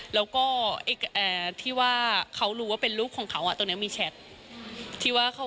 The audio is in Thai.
แล้วก็ที่ว่าเขารู้ว่าเป็นลูกของเขาตรงนี้มีแชท